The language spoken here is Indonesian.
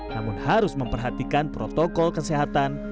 namun harus memperhatikan protokol kesehatan